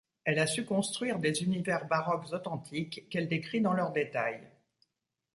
Elle a su construire des univers baroques authentiques, qu'elle décrit dans leurs détails.